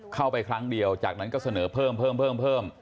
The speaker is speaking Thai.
ครั้งเดียวจากนั้นก็เสนอเพิ่ม